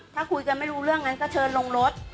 ถ้าคุยกันไม่รู้เรื่องนั้นก็เชิญลงรถ